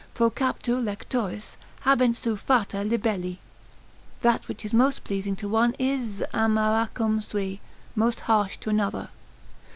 Pro captu lectoris habent sua fata libelli.. That which is most pleasing to one is amaracum sui, most harsh to another.